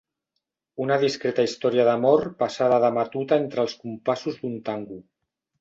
Una discreta història d'amor passada de matuta entre els compassos d'un tango.